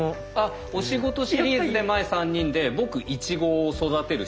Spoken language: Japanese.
お仕事シリーズで前３人で僕「いちごを育てる仕事」。